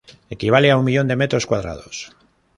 Equivale a un millón de metros cuadrados.